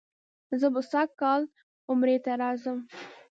زه به سږ کال عمرې ته راځم.